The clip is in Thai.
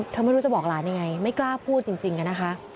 ไม่รู้จะบอกหลานยังไงไม่กล้าพูดจริงอะนะคะ